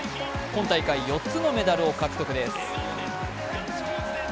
今大会４つのメダルを獲得です。